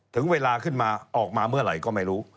ถึงเวลาขึ้นมาออกมาเมื่อไหร่ก็ไม่รู้